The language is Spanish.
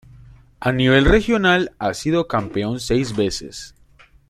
A nivel regional ha sido campeón seis veces.